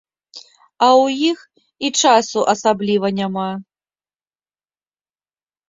А ў іх і часу асабліва няма.